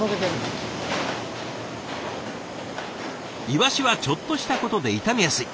イワシはちょっとしたことで傷みやすい。